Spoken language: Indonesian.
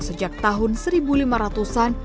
sejak tahun seribu lima ratus an